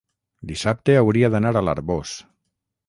dissabte hauria d'anar a l'Arboç.